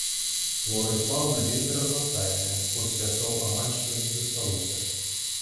Флора і фаўна вельмі разнастайныя, хоць лясоў амаль што не засталося.